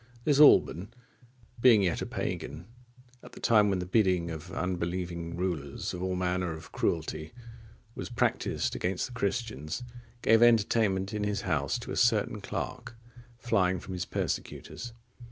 This Alban, being yet a pagan, at the time when at the bidding of unbelieving rulers all manner of cruelty was practised against the Christians, gave entertainment in his house to a certain clerk,(52) flying from his persecutors.